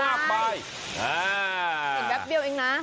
เห็นแบบเดียวเองนะ